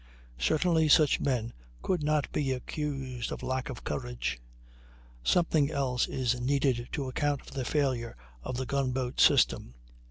Certainly such men could not be accused of lack of courage. Something else is needed to account for the failure of the gun boat system.